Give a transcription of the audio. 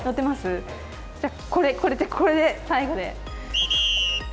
じゃあ、これ、これで最後で。